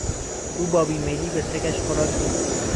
او با بیمیلی به سگش خوراک میداد.